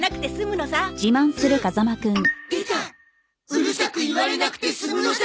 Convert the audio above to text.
「うるさく言われなくて済むのさ」